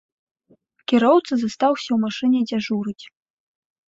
Кіроўца застаўся ў машыне дзяжурыць.